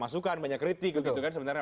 masukan banyak kritik gitu kan sementara